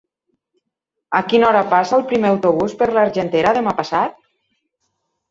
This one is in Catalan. A quina hora passa el primer autobús per l'Argentera demà passat?